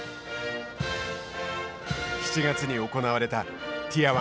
７月に行われたティア１